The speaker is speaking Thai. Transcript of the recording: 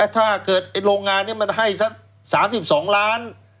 ถ้าเกิดโรงงานนี้มันให้สัก๓๒ล้าน